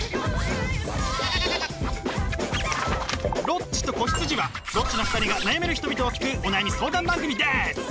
「ロッチと子羊」はロッチの２人が悩める人々を救うお悩み相談番組です！